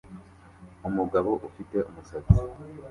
umugabo ufite umusatsi